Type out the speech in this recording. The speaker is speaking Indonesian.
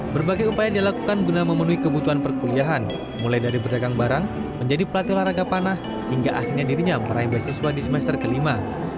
berbagai upaya dilakukan guna memenuhi kebutuhan perkuliahan mulai dari berdagang barang menjadi pelatih olahraga panah hingga akhirnya dirinya meraih beasiswa di semester kelima